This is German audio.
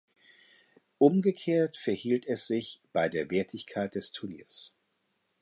Umgekehrt verhielt es sich bei der Wertigkeit des Turniers.